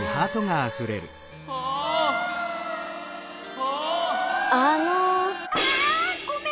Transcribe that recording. あごめん！